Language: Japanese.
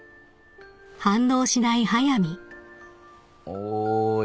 おい。